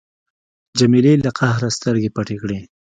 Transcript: جمیلې له قهره سترګې پټې کړې.